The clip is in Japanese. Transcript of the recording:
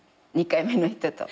２回目の人と。